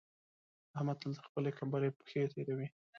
احمد تل تر خپلې کمبلې پښې تېروي.